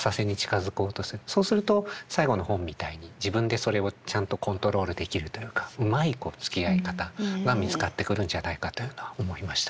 そうすると最後の本みたいに自分でそれをちゃんとコントロールできるというかうまいつきあい方が見つかってくるんじゃないかというのは思いましたね。